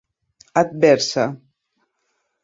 adversa